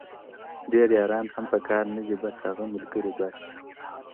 ډېر یاران هم په کار نه دي بس هغه ملګري بس دي-